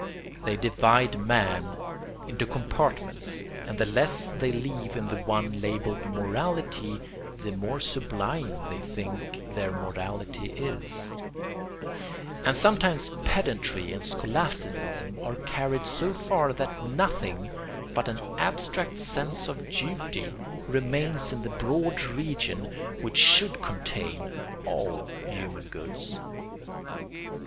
They divide man into compartments and the less they leave in the one labelled "morality" the more sublime they think their morality is; and sometimes pedantry and scholasticism are carried so far that nothing but an abstract sense of duty remains in the broad region which should contain all human goods.